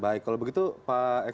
baik kalau begitu pak eko